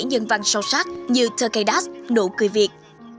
nhân văn sâu sắc như tkdas nụ cười việt